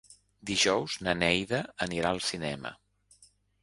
Dijous na Neida anirà al cinema.